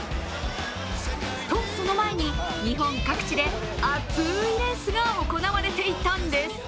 とその前に、日本各地で熱いレースが行われていたんです。